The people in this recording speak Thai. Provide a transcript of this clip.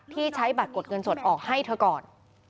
ที่ใช้บัตรกดเงินสดออกให้เธอก่อน